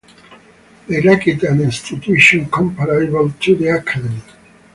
They lacked an institution comparable to the academy.